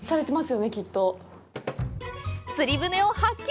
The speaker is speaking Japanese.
釣り船を発見！